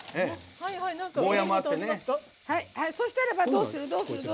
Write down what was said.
そしたらば、どうする。